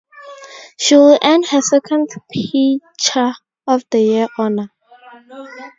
She would earn her second Pitcher of The Year honor.